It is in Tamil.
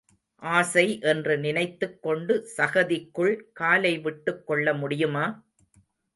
ஆசை என்று நினைத்துக் கொண்டு சகதிக்குள் காலை விட்டுக் கொள்ள முடியுமா?